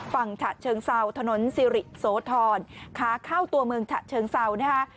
ฝั่งฉะเชิงเศร้าถนนซิริโสธรค้าเข้าตัวเมืองฉะเชิงเศร้านะฮะ